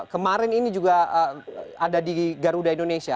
kemarin ini juga ada di garuda indonesia